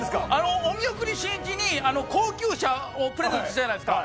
お見送りしんいちに高級車プレゼントしたじゃないですか。